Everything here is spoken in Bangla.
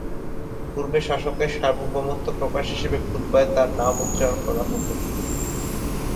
পূর্বে শাসকের সার্বভৌমত্বের প্রকাশ হিসেবে খুতবায় তার নাম উচ্চারণ করা হত।